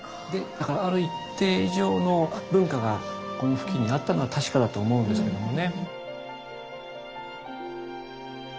だからある一定以上の文化がこの付近にあったのは確かだと思うんですけどもね。